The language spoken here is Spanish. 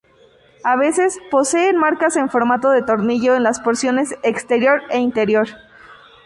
A veces poseen marcas en forma de tornillo en las porciones exterior e interior.